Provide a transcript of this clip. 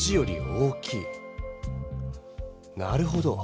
なるほど。